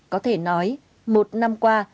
có thể nói một năm qua